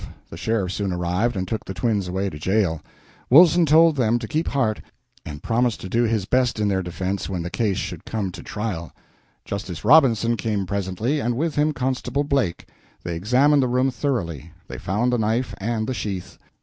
The sheriff soon arrived and took the twins away to jail. Wilson told them to keep heart, and promised to do his best in their defense when the case should come to trial. Justice Robinson came presently, and with him Constable Blake. They examined the room thoroughly. They found the knife and the sheath.